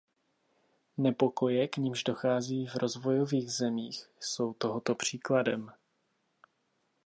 Nepokoje, k nimž dochází v rozvojových zemích, jsou tohoto příkladem.